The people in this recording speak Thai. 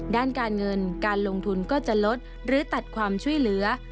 ด้านการเงินการลงทุนก็จะลดหรือตัดความช่วยเหลือ